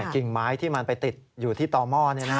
กิ่งไม้ที่มันไปติดอยู่ที่ต่อหม้อ